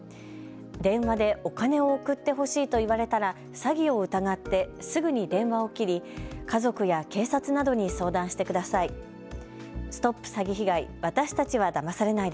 電話でお金を送ってほしいと言われたら詐欺を疑ってすぐに電話を切り、家族や警察などに相談してください。